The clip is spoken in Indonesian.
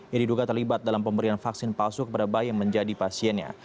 yang diduga terlibat dalam pemberian vaksin palsu kepada bayi yang menjadi pasiennya